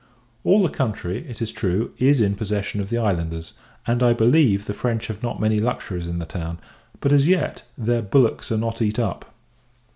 All the country, it is true, is in possession of the islanders; and, I believe, the French have not many luxuries in the town; but, as yet, their bullocks are not eat up.